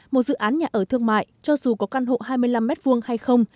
một dự án nhà ở thương mại cho dù có căn hộ hai mươi năm m hai hay không